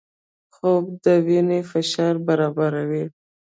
خوب د وینې فشار برابروي